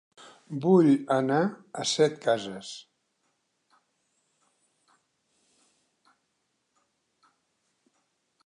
Vull anar a Setcases